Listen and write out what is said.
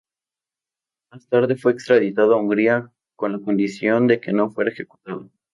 Más tarde fue extraditado a Hungría con la condición de que no fuera ejecutado.